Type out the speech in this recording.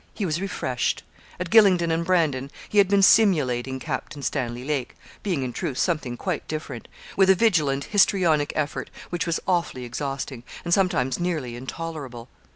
He was refreshed. At Gylingden and Brandon he had been simulating Captain Stanley Lake being, in truth, something quite different with a vigilant histrionic effort which was awfully exhausting, and sometimes nearly intolerable.